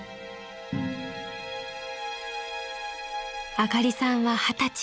［あかりさんは二十歳］